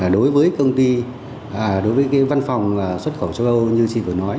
đối với công ty đối với văn phòng xuất khẩu châu âu như chị vừa nói